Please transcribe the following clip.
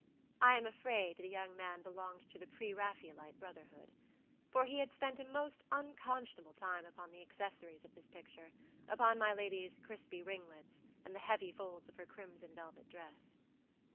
I am afraid the young man belonged to the pre Raphaelite brotherhood, for he had spent a most unconscionable time upon the accessories of this pictureupon my lady's crispy ringlets and the heavy folds of her crimson velvet dress.